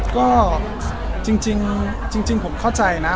ก็จริงผมเข้าใจนะ